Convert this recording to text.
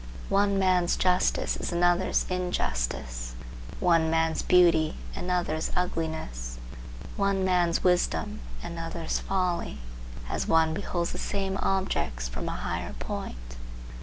One man's justice is another's injustice; one man's beauty another's ugliness; one man's wisdom another's folly; as one beholds the same objects from a higher point.